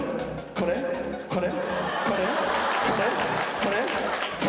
これ？これ？」